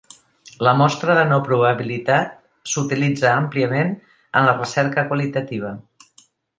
La mostra de no probabilitat s'utilitza àmpliament en la recerca qualitativa.